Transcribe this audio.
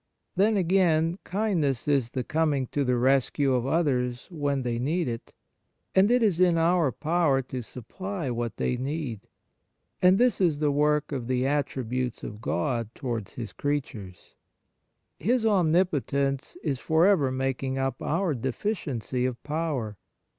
Then, again, kindness is the coming to the rescue of others when they need it, and it is in our power to supply what they need, and this is the w^ork of the attributes of God to wards His creatures. His omnipotence is for ever making up our deficiency of power.